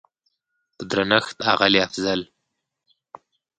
په درنښت اغلې افضل